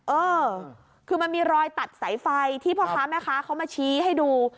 เออคือมันมีรอยตัดสายไฟที่พ่อค้าแม่ค้าเขามาชี้ให้ดู